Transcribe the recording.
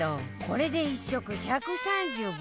これで１食１３５円